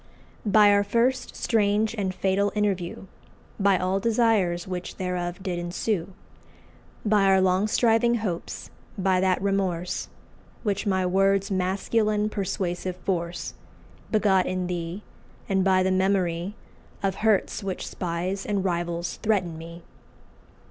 "By our first strange and fatal interview, By all desires which thereof did ensue, By our long striving hopes, by that remorse Which my words' masculine persuasive force Begot in thee, and by the memory Of hurts which spies and rivals threaten me!"